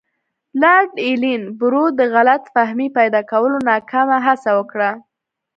لارډ ایلن برو د غلط فهمۍ پیدا کولو ناکامه هڅه وکړه.